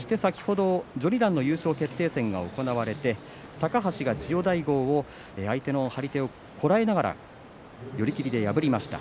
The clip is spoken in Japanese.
序二段の優勝決定戦が先ほど行われて高橋が千代大豪を相手の張り手をこらえながら寄り切りで破りました。